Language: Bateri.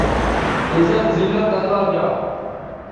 عزت، زلت اللہ دیا